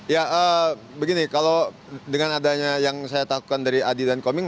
ya begini kalau dengan adanya yang saya takutkan dari adi dan koming